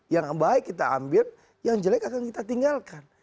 yang baik kita ambil yang jelek akan kita tinggalkan